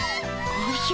おじゃ。